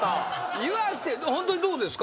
言わしてホントにどうですか？